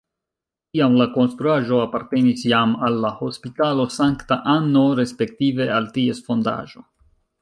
Tiam la konstruaĵo apartenis jam al la Hospitalo Sankta Anno respektive al ties fondaĵo.